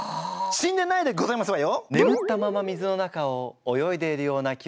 死んでないでございますわよ！